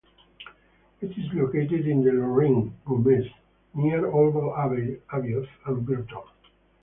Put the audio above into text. It is located in the Lorraine Gaumaise, near Orval Abbey, Avioth and Virton.